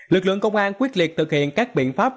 lực lượng công an quyết liệt thực hiện các biện pháp